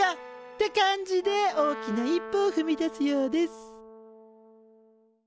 って感じで大きな一歩をふみ出すようです。